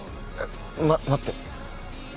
ま待って。